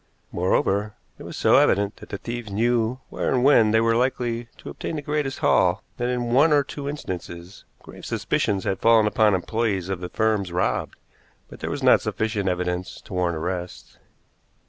Moreover, it was so evident that the thieves knew where and when they were likely to obtain the greatest haul that in one or two instances grave suspicions had fallen upon employees of the firms robbed, but there was not sufficient evidence to warrant arrest.